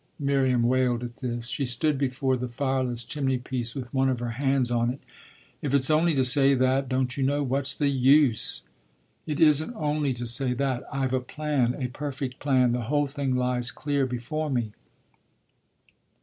Miriam wailed at this. She stood before the fireless chimney piece with one of her hands on it. "If it's only to say that, don't you know, what's the use?" "It isn't only to say that. I've a plan, a perfect plan: the whole thing lies clear before me."